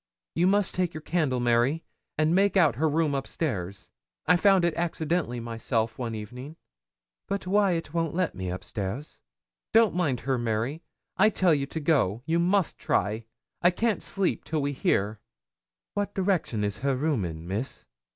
'You must take your candle, Mary, and make out her room, upstairs; I found it accidentally myself one evening.' 'But Wyat won't let us upstairs.' 'Don't mind her, Mary; I tell you to go. You must try. I can't sleep till we hear.' 'What direction is her room in, Miss?'